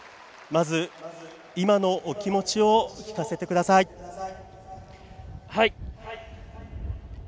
まず、今のお気持ちを聞かせてください。